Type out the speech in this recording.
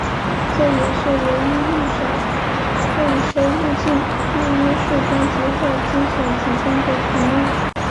这也是唯一一首未收录进录音室专辑或精选集中的曲目。